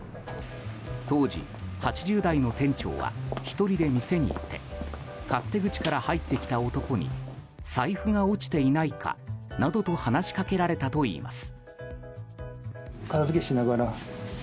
当時、８０代の店長は１人で店にいて勝手口から入ってきた男に財布が落ちていないかなどと話しかけられたといいます。